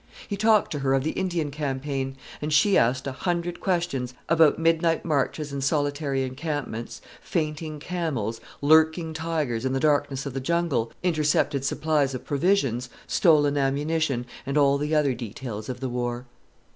He talked to her of the Indian campaign; and she asked a hundred questions about midnight marches and solitary encampments, fainting camels, lurking tigers in the darkness of the jungle, intercepted supplies of provisions, stolen ammunition, and all the other details of the war.